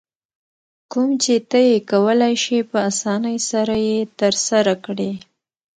کوم چې ته یې کولای شې په اسانۍ سره یې ترسره کړې.